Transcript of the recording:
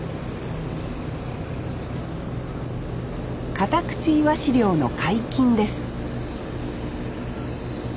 カタクチイワシ漁の解禁です